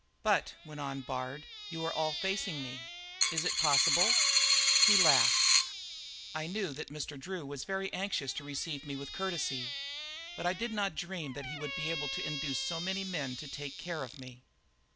"But," went on Bard, "you are all facing me. Is it possible?" He laughed. "I knew that Mr. Drew was very anxious to receive me with courtesy; I did not dream that he would be able to induce so many men to take care of me."